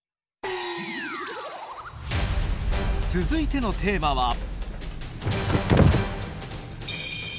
続いてのテーマは。